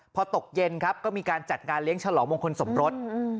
พอตกเย็นครับก็มีการจัดงานเลี้ยงฉลองมงคลสมรส